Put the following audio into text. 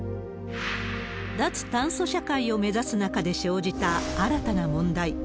脱炭素社会を目指す中で生じた新たな問題。